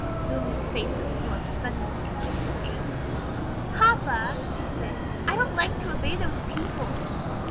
Lulu's face was full of sullen discontent and anger. "Papa," she said, "I don't like to obey those people."